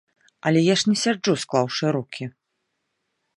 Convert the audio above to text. Але я ж не сяджу, склаўшы рукі.